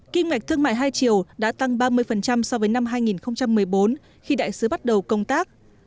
kim ngạch thương mại hai triệu đã tăng ba mươi so với năm hai nghìn một mươi bốn khi đại sứ bắt đầu công tác